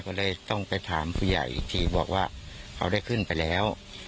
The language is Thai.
ก็เลยต้องไปถามผู้ใหญ่อีกทีบอกว่าเขาได้ขึ้นไปแล้ว